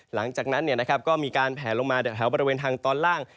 หลังจากนั้นก็มีการแผลลงมาแถวบริเวณทางตอนล่าง